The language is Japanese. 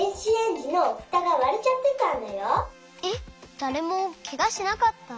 だれもケガしなかった？